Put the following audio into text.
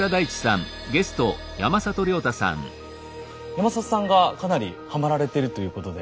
山里さんがかなりハマられてるということで。